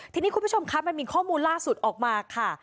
ทีนี้คุณผู้ชมคะมันมีข้อมูลล่าสุดออกมาค่ะ